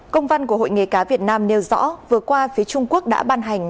công văn của hội nghề cá việt nam nêu rõ vừa qua phía trung quốc đã ban hành